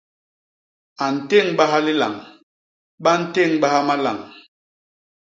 A ntéñbaha lilañ, ba ntéñbaha malañ.